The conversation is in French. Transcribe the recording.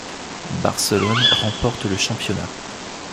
Barcelone remporte le championnat.